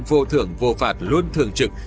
vô thưởng vô phạt luôn thường trực